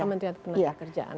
kementerian tenaga kerjaan